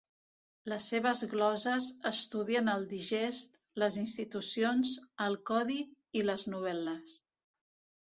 Les seves gloses estudien el Digest, les Institucions, el Codi i les Novel·les.